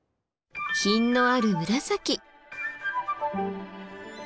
品のある紫。